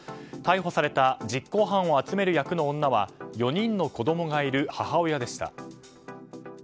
逮捕された実行犯を集める役の女は４人の子供がいる母親でした。